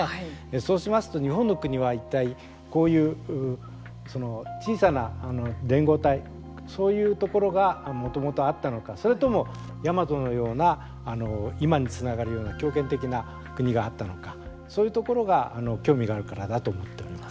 そうしますと、日本の国はいったい、こういう小さな連合体そういうところがもともとあったのかそれとも、大和のような今につながるような強権的な国あったのかそういうところが興味があるからだと思っております。